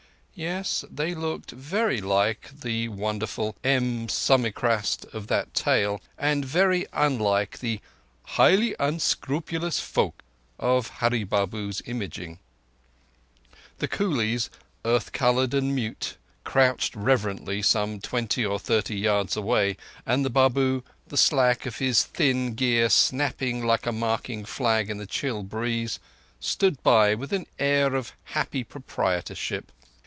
Yes, they looked very like the wonderful M. Sumichrast of that tale, and very unlike the "highly unscrupulous folk" of Hurree Babu's imagining. The coolies, earth coloured and mute, crouched reverently some twenty or thirty yards away, and the Babu, the slack of his thin gear snapping like a marking flag in the chill breeze, stood by with an air of happy proprietorship.